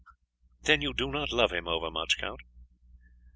"Then you do not love him overmuch, Count?"